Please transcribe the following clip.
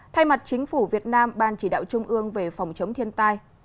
thay mặt chính phủ việt nam ban chỉ đạo trung ương về phòng chống thiên tai